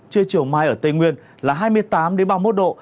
trưa chiều mai ở tây nguyên là hai mươi tám ba mươi một độ